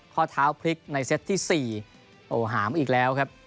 ข้อเท้าพลิกในเซตที่๔โอ้โหหามอีกแล้วครับ